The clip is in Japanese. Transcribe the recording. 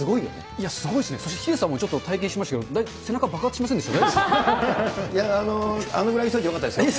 いや、すごいですね、ヒデさんも体験してましたけど、背中爆発しませんでした？